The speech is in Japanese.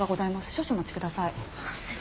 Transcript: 少々お待ちください。